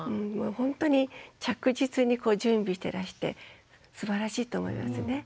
ほんとに着実に準備してらしてすばらしいと思いますね。